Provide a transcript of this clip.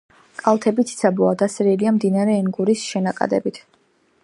კალთები ციცაბოა, დასერილია მდინარე ენგურის შენაკადებით.